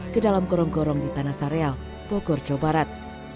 ke dalam gorong gorong di tanah sareal bogor jawa barat